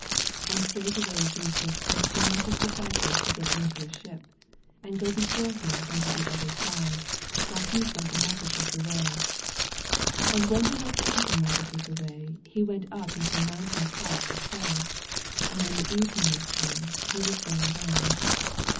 82 And straightway Jesns con strained his disciples to get into a ship, and to go before him unto the other side, while he sent the molti tades away. 23 Ana when he hod sent the multitudes away, he went up into a mountain apart to pray: and when the evenuig was come, he was there alone.